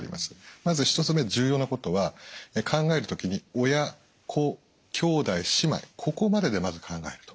まず１つ目重要なことは考える時に親・子・兄弟姉妹ここまででまず考えると。